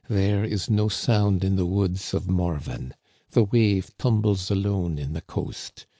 There is no sound in the woods of Morven. The wave tumbles alone in the coast.